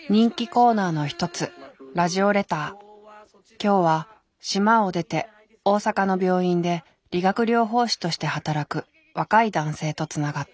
今日は島を出て大阪の病院で理学療法士として働く若い男性とつながった。